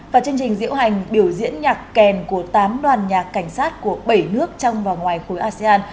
và chương trình diễu hành biểu diễn nhạc kèn của tám đoàn nhạc cảnh sát của bảy nước trong và ngoài khối asean